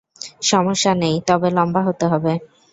সমস্যা নেই, তবে লম্বা হতে হবে।